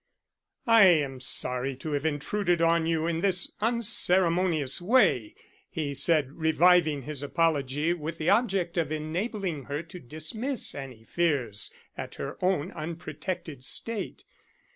"I am sorry to have intruded on you in this unceremonious way," he said, reviving his apology with the object of enabling her to dismiss any fears at her own unprotected state.